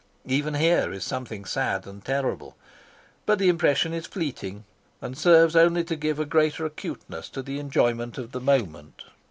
Even here is something sad and terrible. But the impression is fleeting, and serves only to give a greater acuteness to the enjoyment of the moment.